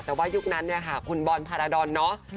แต่ว่ายุคนั้นคุณบอล์มพาราดอนเนาะ